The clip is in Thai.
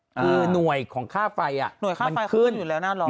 อ่าคือหน่วยของค่าไฟอ่ะหน่วยค่าไฟขึ้นอยู่แล้วหน้าร้อน